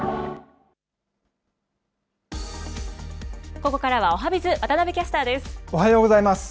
ここからはおはＢｉｚ、おはようございます。